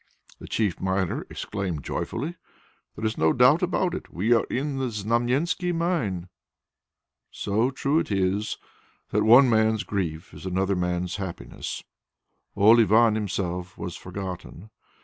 the chief miner exclaimed joyfully. "There is no doubt about it! We are in the Znamensky mine!" So true is it that one man's grief is another man's happiness. Old Ivan himself was forgotten.